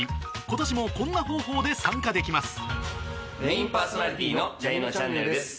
今年もこんな方法で参加できます